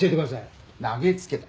投げつけた？